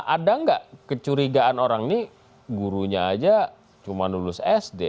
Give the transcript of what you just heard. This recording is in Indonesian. ada nggak kecurigaan orang ini gurunya aja cuma lulus sd